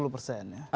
empat puluh persen ya